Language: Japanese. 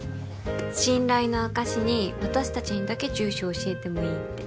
信頼の証しに私たちにだけ住所教えてもいいって。